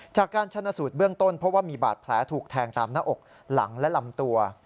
จากการชนะสูตรเบื้องต้นเพราะว่ามีบาดแผลถูกแทงตามหน้าอกหลังและลำตัว